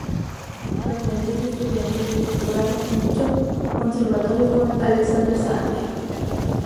Actualmente es estudiante de doctorado en dicho Conservatorio con Alexander Sandler.